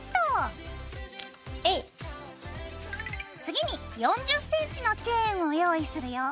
次に４０ｃｍのチェーンを用意するよ。